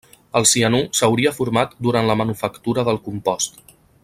El cianur s'hauria format durant la manufactura del compost.